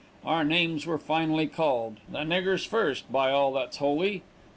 Our names were finally called, the nigger's first, by all that's holy.